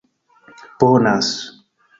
Bonas